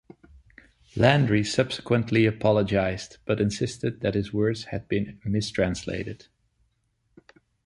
Landry subsequently apologized but insisted that his words had been mistranslated.